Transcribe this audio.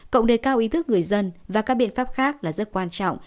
cộng đề cao ý thức người dân và các biện pháp khác là rất quan trọng